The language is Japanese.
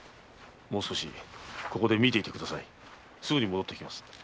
もう少しここで見ていてくださいすぐに戻ってきます。